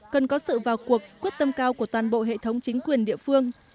cần có sự vào cuộc quyết tâm cao của toàn bộ hệ thống chính quyền địa phương